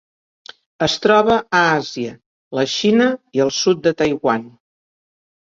Es troba a Àsia: la Xina i el sud de Taiwan.